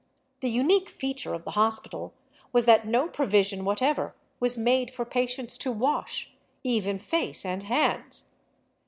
The unique feature of the hospital was that no provision whatever was made for patients to wash, even face and hands.